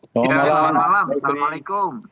selamat malam assalamualaikum